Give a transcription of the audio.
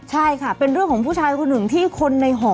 ใช่ค่ะเป็นเรื่องของผู้ชายคนหนึ่งที่คนในหอ